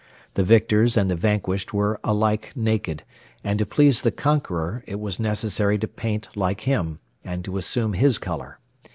The victors and the vanquished were alike naked; and to please the conqueror it was necessary to paint like him, and to assume his colour.